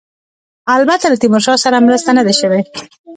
البته له تیمورشاه سره مرسته نه ده شوې.